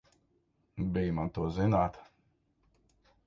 Bij man to zināt!